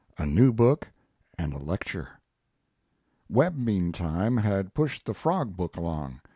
A NEW BOOK AND A LECTURE Webb, meantime, had pushed the Frog book along.